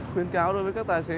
khuyên cáo đối với các tài xế